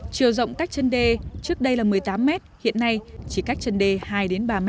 chiều rộng cách chân đê trước đây là một mươi tám m hiện nay chỉ cách chân đê hai ba m